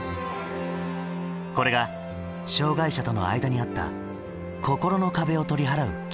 これが障害者との間にあった心の壁を取り払うきっかけとなる。